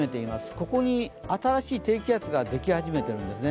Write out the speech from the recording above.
ここに新しい低気圧ができはじめているんですね。